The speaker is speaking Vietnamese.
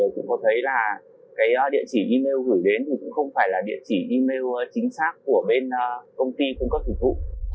cũng có thấy là cái địa chỉ email gửi đến thì cũng không phải là địa chỉ email chính xác của bên công ty cung cấp dịch vụ